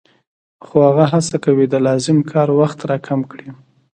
خو هغه هڅه کوي د لازم کار وخت را کم کړي